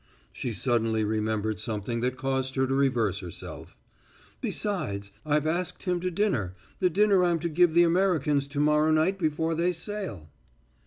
She suddenly remembered something that caused her to reverse herself. "Besides, I've asked him to dinner the dinner I'm to give the Americans to morrow night before they sail."